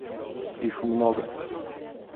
Их много.